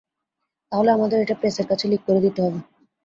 তাহলে আমাদের এটা প্রেসের কাছে লিক করে দিতে হবে।